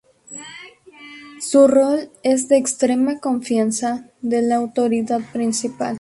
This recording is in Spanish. Su rol es de extrema confianza de la autoridad principal.